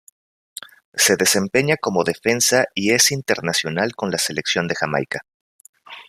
Se desempeña como defensa y es internacional con la selección de Jamaica.